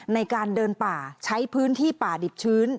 ในการเดินป่าใช้พื้นที่ป่าดิบชื้น